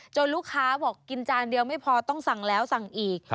ลูกค้าบอกกินจานเดียวไม่พอต้องสั่งแล้วสั่งอีก